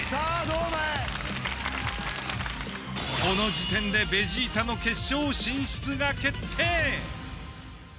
この時点でベジータの決勝進出が決定。